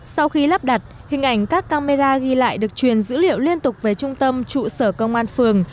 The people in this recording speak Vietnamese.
sau khi lắp đặt hình ảnh các camera ghi lại được truyền dữ liệu liên tục về trung tâm trụ sở công an phường